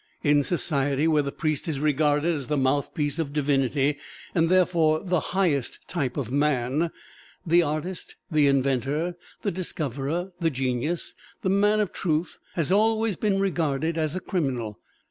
In a society where the priest is regarded as the mouthpiece of divinity, and therefore the highest type of man, the artist, the inventor, the discoverer, the genius, the man of truth, has always been regarded as a criminal.